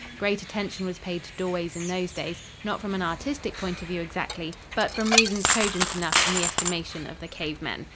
Great attention was paid to doorways in those days, not from an artistic point of view exactly, but from reasons cogent enough in the estimation of the cave men.